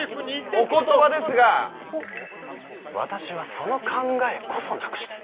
お言葉ですが私はその考えこそなくしたい。